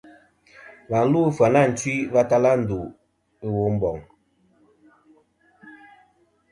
Và lu a Ɨfyanatwi va tala ndu a Womboŋ.